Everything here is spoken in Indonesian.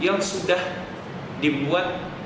yang sudah dibuat dengan tatap kemudian dibuat dengan tatap